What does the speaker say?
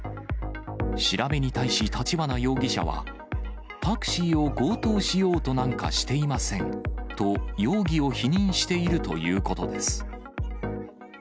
調べに対し、立花容疑者は、タクシーを強盗しようとなんかしていませんと、容疑を否認しているということです。